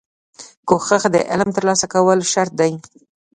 کوښښ د علم ترلاسه کولو شرط دی.